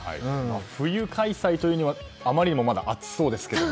冬開催というにはあまりにもまだ暑そうですけど。